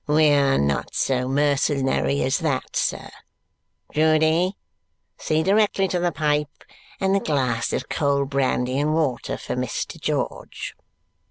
We are not so mercenary as that, sir. Judy, see directly to the pipe and the glass of cold brandy and water for Mr. George."